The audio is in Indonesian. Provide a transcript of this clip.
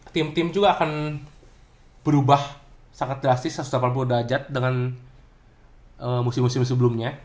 tim tim juga akan berubah sangat drastis satu ratus delapan puluh derajat dengan musim musim sebelumnya